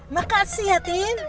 makasih ya tin